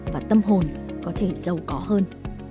và tâm hồn có thể giàu có hơn